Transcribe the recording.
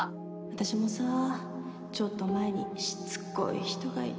あたしもさちょっと前にしつこい人がいて。